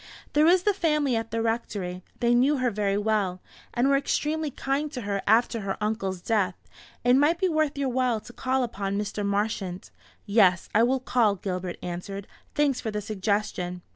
"There is the family at the Rectory; they knew her very well, and were extremely kind to her after her uncle's death. It might be worth your while to call upon Mr. Marchant." "Yes, I will call," Gilbert answered; "thanks for the suggestion."